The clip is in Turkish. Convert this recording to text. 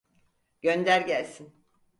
Gönder gelsin.